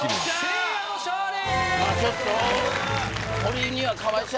せいやの勝利！